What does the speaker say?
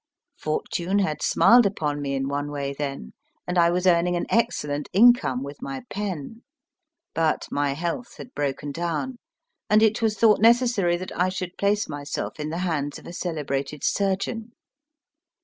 Fortune had smiled upon me in one way then, and I was earning an excellent income with my pen. But my health had broken down, and it was thought necessary that I should place myself in the hands of a celebrated surgeon.